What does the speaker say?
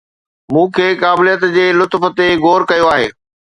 مون کي قابليت جي لطف تي غور ڪيو آهي